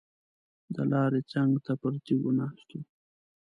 د لارې څنګ ته پر تیږو ناست وو.